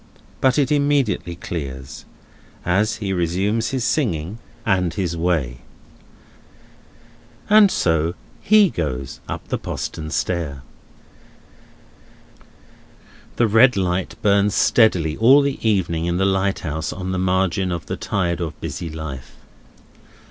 But it immediately clears, as he resumes his singing, and his way. And so he goes up the postern stair. The red light burns steadily all the evening in the lighthouse on the margin of the tide of busy life.